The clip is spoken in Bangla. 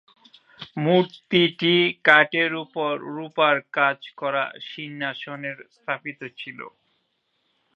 মূর্তিটি কাঠের উপর রূপার কাজ করা সিংহাসনে স্থাপিত ছিল।